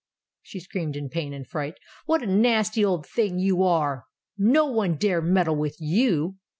she screamed in pain and fright, "what a nasty old thing you are! No one dare meddle with you."